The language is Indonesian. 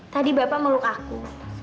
tadi bapak meluk aku